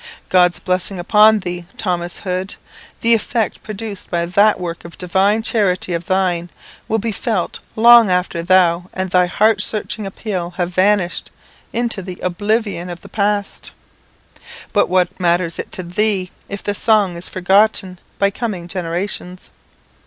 God's blessing upon thee, Thomas Hood! The effect produced by that work of divine charity of thine, will be felt long after thou and thy heart searching appeal have vanished into the oblivion of the past. But what matters it to thee if the song is forgotten by coming generations?